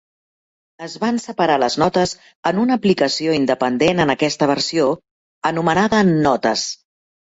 Es van separar les notes en una aplicació independent en aquesta versió, anomenada Notes.